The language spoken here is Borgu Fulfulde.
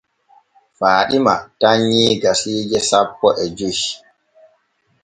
Faaɗima tannyii gasiije sapo e joy.